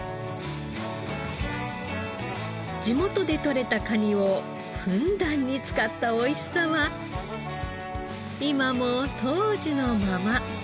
地元でとれたカニをふんだんに使ったおいしさは今も当時のまま。